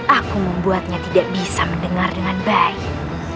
aku membuatnya tidak bisa mendengar dengan baik